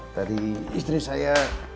tadi istri saya